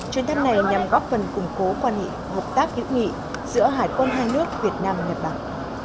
chuyến thăm này nhằm góp phần củng cố quan hệ hợp tác hữu nghị giữa hải quân hai nước việt nam nhật bản